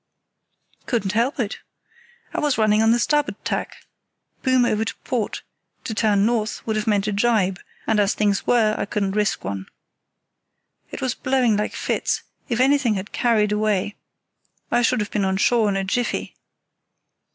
"Couldn't help it. I was running on the starboard tack—boom over to port; to turn north would have meant a jibe, and as things were I couldn't risk one. It was blowing like fits; if anything had carried away I should have been on shore in a jiffy.